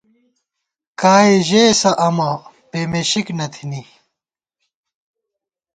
کائےژېسہ اَمہ، پېمېشِک نہ تھنی